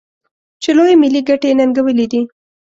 چې لویې ملي ګټې یې ننګولي دي.